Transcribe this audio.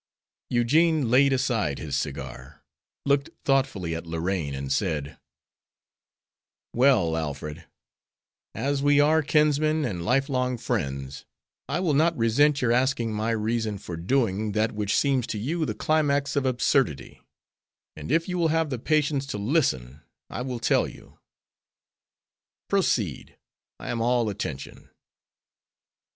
Eugene laid aside his cigar, looked thoughtfully at Lorraine, and said, "Well, Alfred, as we are kinsmen and life long friends, I will not resent your asking my reason for doing that which seems to you the climax of absurdity, and if you will have the patience to listen I will tell you." "Proceed, I am all attention."